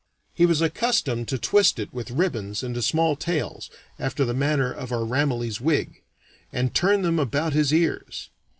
He was accustomed to twist it with ribbons into small tails, after the manner of our Ramillies wig, and turn them about his ears.